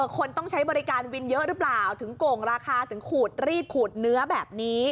คนต้องใช้บริการวินเยอะหรือเปล่าถึงโก่งราคาถึงขูดรีดขูดเนื้อแบบนี้